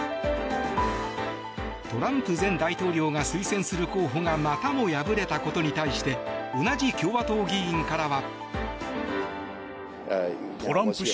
トランプ前大統領が推薦する候補がまたも敗れたことに対して同じ共和党議員からは。